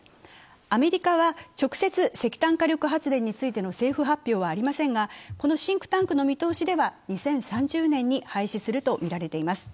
アメリカは直接、石炭火力発電についての政府発表はありませんが、このシンクタンクの見通しでは２０３０年に廃止するとみられています。